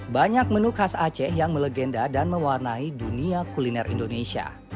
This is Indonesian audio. banyak menu khas aceh yang melegenda dan mewarnai dunia kuliner indonesia